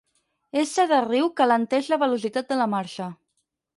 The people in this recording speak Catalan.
Essa de riu que alenteix la velocitat de la marxa.